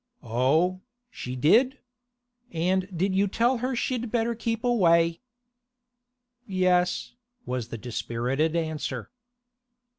'Oh, she did? And did you tell her she'd better keep away?' 'Yes,' was the dispirited answer.